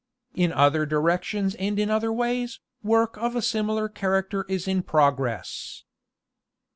In other directions and in other ways, work of a similar character is in progress.